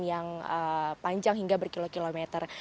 yang panjang hingga berkilo kilometer